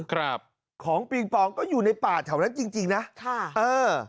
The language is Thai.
ครับของปิงปองก็อยู่ในป่าแถวนั้นจริงจริงนะค่ะเออ